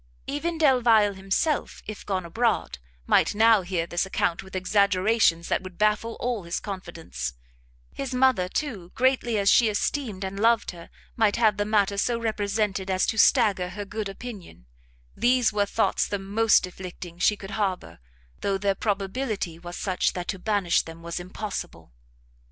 Even Delvile himself, if gone abroad, might now hear this account with exaggerations that would baffle all his confidence: his mother, too, greatly as she esteemed and loved her, might have the matter so represented as to stagger her good opinion; these were thoughts the most afflicting she could harbour, though their probability was such that to banish them was impossible.